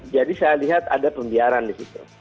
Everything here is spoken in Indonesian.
jadi saya lihat ada pembiaran di situ